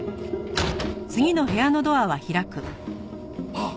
あっ！